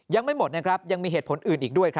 ยังไม่หมดนะครับยังมีเหตุผลอื่นอีกด้วย